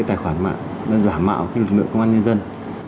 tài khoản mạng giả mạo lực lượng công an nhân dân